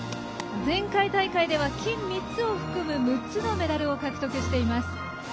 前回大会では金３つを含む６つのメダルを獲得しています。